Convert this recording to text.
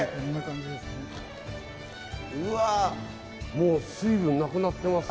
もう水分なくなってますよ。